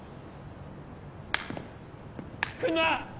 来んな！